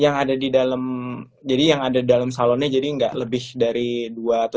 yang ada di dalam jadi yang ada di dalam salonnya jadi gak lebih dari dua atau tiga minggu gitu ya